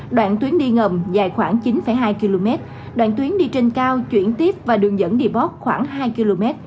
đoạn tuyến đi ngầm dài khoảng chín hai km đoạn tuyến đi trên cao chuyển tiếp và đường dẫn depot khoảng hai km